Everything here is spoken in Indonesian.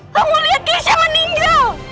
kamu lihat keisha menyinggir